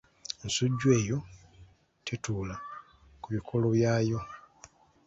Ensujju eyo tetuula ku bikoola byayo.